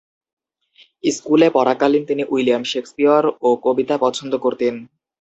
স্কুলে পড়াকালীন তিনি উইলিয়াম শেকসপিয়র ও কবিতা পছন্দ করতেন।